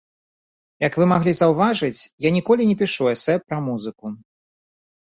Як вы маглі заўважыць, я ніколі не пішу эсэ пра музыку.